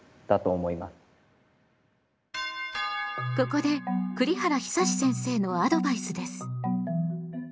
ここで栗原久先生のアドバイスです。